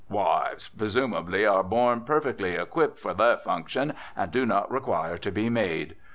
Wives, presumably, are born perfectly equipped for their functions and do not require to be made.